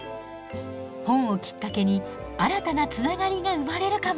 本をきっかけに新たなつながりが生まれるかも！